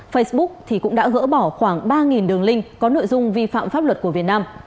facebook cũng đã gỡ bỏ khoảng ba đường link có nội dung vi phạm pháp luật của việt nam